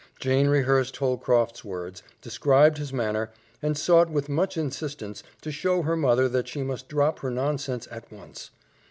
Jane rehearsed Holcroft's words, described his manner, and sought with much insistence to show her mother that she must drop her nonsense at once.